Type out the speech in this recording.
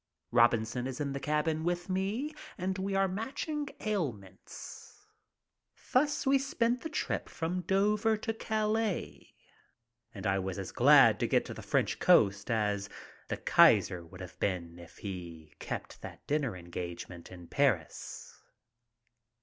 Robin son is in the cabin with me and we are matching ailments. 104 MY TRIP ABROAD Thus we spent the trip from Dover to Calais and I was as glad to get to the French coast as the Kaiser would have been had he kept that dinner engagement in Paris.